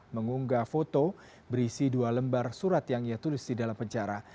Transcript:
mengunggah foto berisi dua lembar surat yang ia tulis di dalam penjara